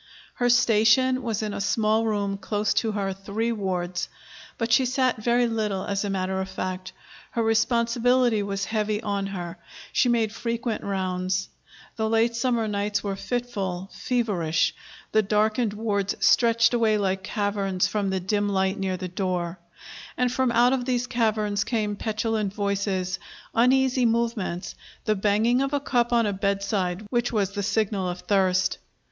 Her station was in a small room close to her three wards. But she sat very little, as a matter of fact. Her responsibility was heavy on her; she made frequent rounds. The late summer nights were fitful, feverish; the darkened wards stretched away like caverns from the dim light near the door. And from out of these caverns came petulant voices, uneasy movements, the banging of a cup on a bedside, which was the signal of thirst.